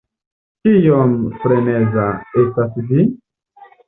Kiom "freneza" estas vi?